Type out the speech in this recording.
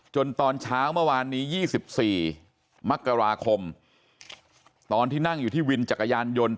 ตอนเช้าเมื่อวานนี้๒๔มกราคมตอนที่นั่งอยู่ที่วินจักรยานยนต์